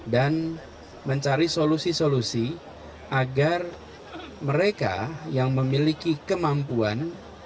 dan mencari solusi solusi agar mereka yang memiliki kemampuan